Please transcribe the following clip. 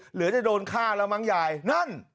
เหลือจะโดนฆ่าเรามังใหญ่นั่น